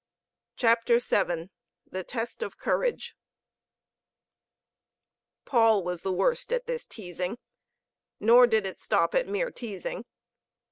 CHAPTER VII THE TEST OF COURAGE Paul was the worst at this teasing; nor did it stop at mere teasing.